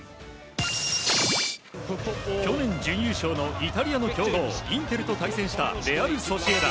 去年準優勝のイタリアの強豪インテルと対戦したレアル・ソシエダ。